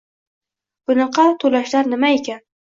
Bunaqa to‘lashlar nima ekan